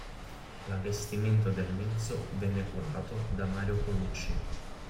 L'allestimento del mezzo venne curato da Mario Colucci.